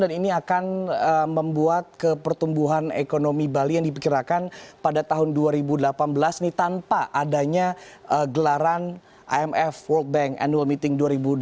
dan ini akan membuat kepertumbuhan ekonomi bali yang dipikirkan pada tahun dua ribu delapan belas ini tanpa adanya gelaran imf world bank annual meeting dua ribu delapan belas